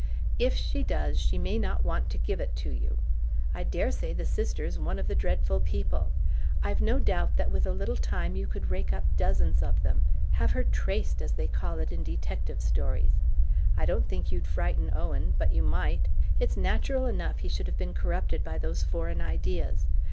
"If she does, she may not want to give it to you. I daresay the sister's one of the dreadful people. I've no doubt that with a little time you could rake up dozens of them: have her 'traced', as they call it in detective stories. I don't think you'd frighten Owen, but you might: it's natural enough he should have been corrupted by those foreign ideas.